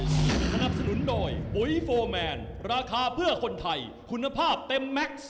สนับสนุนโดยปุ๋ยโฟร์แมนราคาเพื่อคนไทยคุณภาพเต็มแม็กซ์